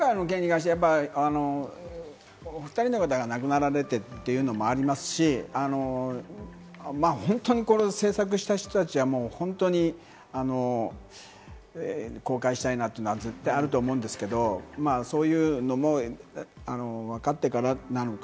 今回の件に関しては、お２人の方が亡くなられてというのもありますし、製作した人たちは本当に公開したいなというのは絶対あると思うんですけれども、そういうのも分かってからなのか。